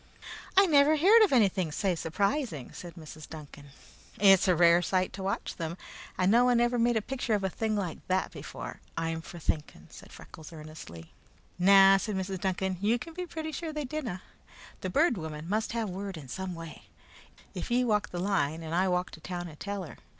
"I never heard of anything sae surprising," said Mrs. Duncan. "It's a rare sight to watch them, and no one ever made a picture of a thing like that before, I'm for thinking," said Freckles earnestly. "Na," said Mrs. Duncan. "Ye can be pretty sure there didna. The Bird Woman must have word in some way, if ye walk the line and I walk to town and tell her.